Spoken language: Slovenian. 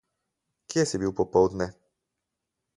Kje si bil popoldne?